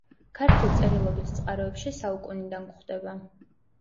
ქართულ წერილობით წყაროებში საუკუნიდან გვხვდება.